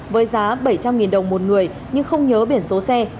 với giá bảy trăm linh đồng một người nhưng không nhớ biển số xe